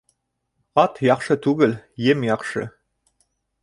Ат яҡшы түгел, ем яҡшы